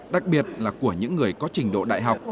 đặc biệt là của những người có trình độ đại học